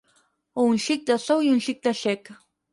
O un xic de sou i un xic de xec.